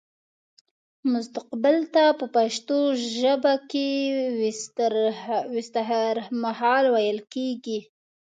مستقبل ته په پښتو ژبه کې وستهرمهال ويل کيږي